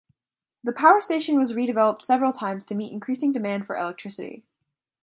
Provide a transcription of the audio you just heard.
The power station was redeveloped several times to meet increasing demand for electricity.